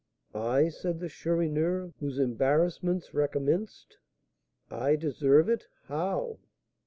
"I," said the Chourineur, whose embarrassments recommenced, "I deserve it! How?"